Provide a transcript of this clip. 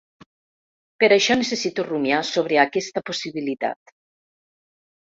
Per això necessito rumiar sobre aquesta possibilitat.